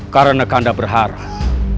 karena kanda berharap